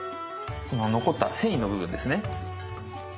残った繊維の部分ですね。